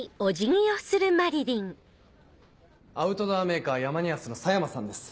アウトドアメーカーヤマニアスの佐山さんです。